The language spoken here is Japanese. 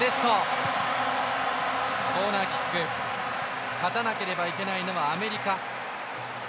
コーナーキック勝たなければいけないのはアメリカ。